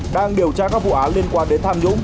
đang điều tra các vụ án liên quan đến tham nhũng